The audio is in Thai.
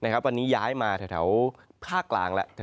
วันนี้ย้ายมาแถวระดับพระกลางแล้ว